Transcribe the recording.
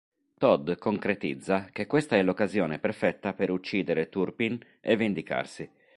Todd concretizza che questa è l'occasione perfetta per uccidere Turpin e vendicarsi.